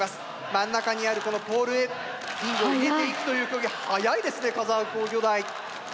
真ん中にあるこのポールへリングを入れていくという競技はやいですね金沢工業大。